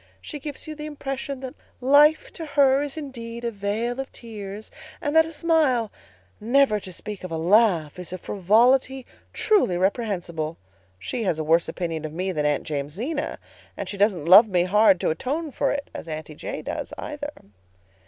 She gives you the impression that life to her is indeed a vale of tears, and that a smile, never to speak of a laugh, is a frivolity truly reprehensible. She has a worse opinion of me than Aunt Jamesina, and she doesn't love me hard to atone for it, as Aunty J. does, either.